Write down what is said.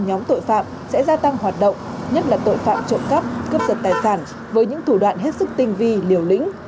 nhóm tội phạm sẽ gia tăng hoạt động nhất là tội phạm trộm cắp cướp giật tài sản với những thủ đoạn hết sức tinh vi liều lĩnh